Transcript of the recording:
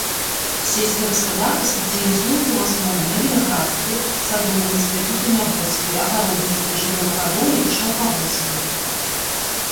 Сельская гаспадарка спецыялізуецца ў асноўным на вінаградарстве, садоўніцтве, тытуняводстве, агародніцтве, жывёлагадоўлі і шаўкаводстве.